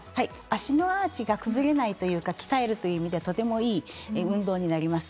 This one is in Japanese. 足のアーチが崩れないというか鍛える意味でとてもいい運動になります。